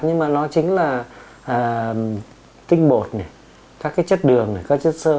nhưng mà nó chính là tinh bột các chất đường các chất sơ